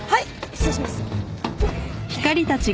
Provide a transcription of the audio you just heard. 失礼します。